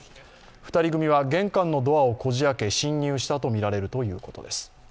２人組は玄関のドアをこじあけ侵入したとみられるということです。